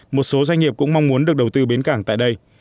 một số doanh nghiệp cũng mong muốn được đầu tư bến cảng tại đây